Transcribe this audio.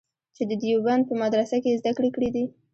چې د دیوبند په مدرسه کې یې زده کړې کړې دي.